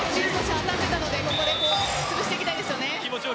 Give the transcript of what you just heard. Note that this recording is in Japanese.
当たっていたのでここで崩していきたいですね。